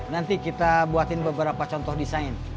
nanti kita buatin beberapa contoh desain